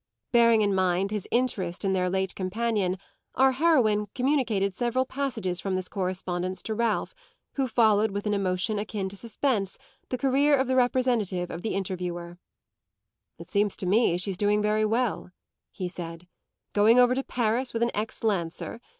Bearing in mind his interest in their late companion, our heroine communicated several passages from this correspondence to Ralph, who followed with an emotion akin to suspense the career of the representative of the Interviewer. "It seems to me she's doing very well," he said, "going over to Paris with an ex Lancer!